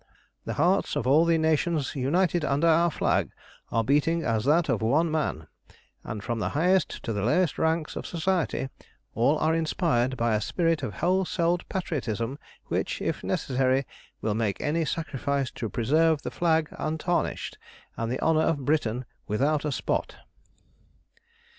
The hearts of all the nations united under our flag are beating as that of one man, and from the highest to the lowest ranks of Society all are inspired by a spirit of whole souled patriotism which, if necessary, will make any sacrifice to preserve the flag untarnished, and the honour of Britain without a spot.